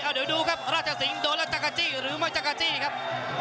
เอ้อเดี๋ยวดูครับราชสิงธ์โดนลักษณ์จักราชี่หรือไม่จักราชี่ครับ